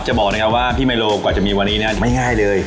จะบอกนะครับว่าพี่ไมโลกว่าจะมีวันนี้เนี่ยไม่ง่ายเลย